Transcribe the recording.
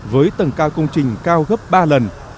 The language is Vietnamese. với tầng cao công trình cao gấp ba lần